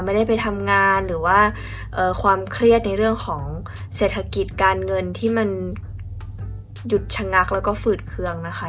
ไม่ได้ไปทำงานหรือว่าความเครียดในเรื่องของเศรษฐกิจการเงินที่มันหยุดชะงักแล้วก็ฝืดเคืองนะคะ